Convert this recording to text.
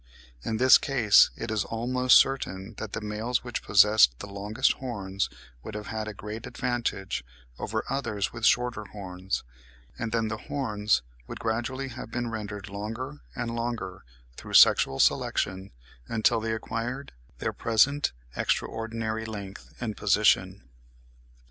In this case it is almost certain that the males which possessed the longest horns would have had a great advantage over others with shorter horns; and then the horns would gradually have been rendered longer and longer, through sexual selection, until they acquired their present extraordinary length and position.